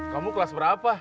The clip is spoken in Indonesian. kamu kelas berapa